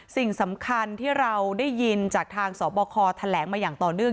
สิ่งสำคัญที่เราได้ยินจากทางสบคแถลงมาอย่างต่อเนื่อง